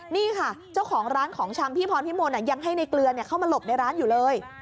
นี่ค่ะเจ้าของร้านของชำพี่พรพิมลยังให้ในเกลือเข้ามาหลบในร้านอยู่เลย